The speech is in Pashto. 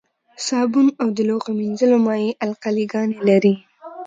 صابون او د لوښو مینځلو مایع القلي ګانې لري.